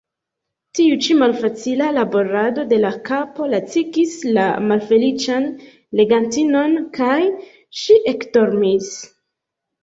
Tiu ĉi malfacila laborado de la kapo lacigis la malfeliĉan legantinon, kaj ŝi ekdormis.